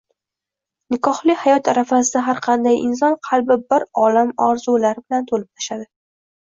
Nikohli hayot arafasida har qanday inson qalbi bir olam orzular bilan to‘lib-toshadi.